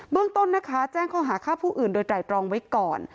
เรื่องต้นนะคะแจ้งข้อหาฆ่าผู้อื่นโดยไตรตรองไว้ก่อน